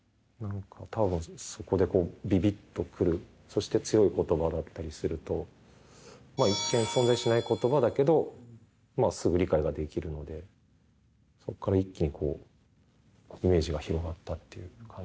そして強い言葉だったりすると一見存在しない言葉だけどまあすぐ理解ができるのでそこから一気にこうイメージが広がったっていう感じでしたね。